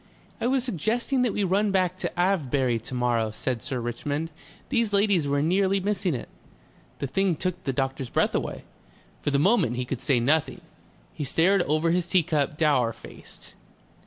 "I was suggesting that we run back to Avebury to morrow," said Sir Richmond. "These ladies were nearly missing it." The thing took the doctor's breath away. For the moment he could say nothing. He stared over his tea cup dour faced.